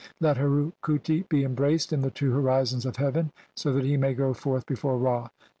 "Let Heru khuti be embraced in the two horizons "of heaven, so that he may go forth before Ra."